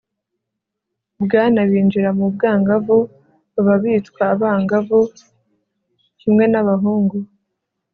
bwana binjira mu bwangavu. baba bitwa abangavu. kimwe n'abahungu